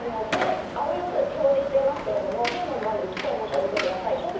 これ、青色を表示してますけれども、降るものは雪と思って見てください。